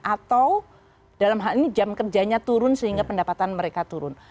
atau dalam hal ini jam kerjanya turun sehingga pendapatan mereka turun